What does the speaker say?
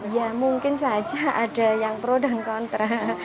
ya mungkin saja ada yang pro dan kontra